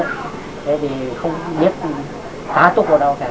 thế thì không biết tá túc vào đâu cả